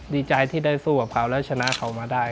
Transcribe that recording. ดีใจที่ได้สู้กับเขาแล้วชนะเขามาได้